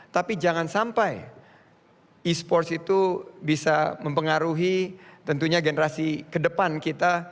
tapi jangan sampai e sports itu bisa mempengaruhi tentunya generasi kedepan kita